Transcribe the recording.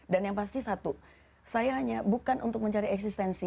dan yang pasti satu saya hanya bukan untuk mencari eksistensi